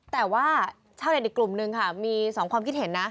แต่ว่าชาวเน็ตอีกกลุ่มนึงค่ะมี๒ความคิดเห็นนะ